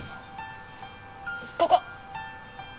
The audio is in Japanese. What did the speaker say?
ここ！